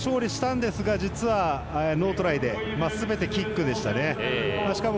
イングランドが勝利したんですが実はノートライですべてキックでしたね。